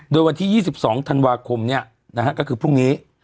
โดยวันที่๒๒ธันวาคมก็คือพรุ่งนี้